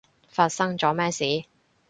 發生咗咩事？